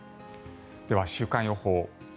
では、週間予報。